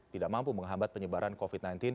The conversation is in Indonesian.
tidak mampu menghambat penyebaran covid sembilan belas